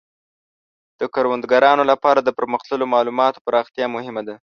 د کروندګرانو لپاره د پرمختللو مالوماتو پراختیا مهمه ده.